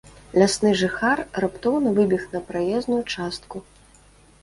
Лясны жыхар раптоўна выбег на праезную частку.